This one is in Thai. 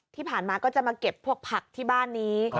ที่ผ่านมาก็จะมาเก็บพวกผักที่บ้านนี้